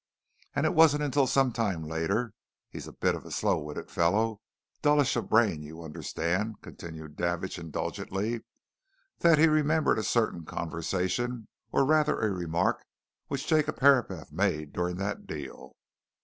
And it wasn't until some time later he's a bit of a slow witted fellow, dullish of brain, you understand," continued Davidge indulgently, "that he remembered a certain conversation, or rather a remark which Jacob Herapath made during that deal.